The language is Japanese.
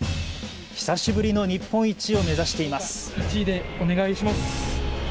久しぶりの日本一を目指しています。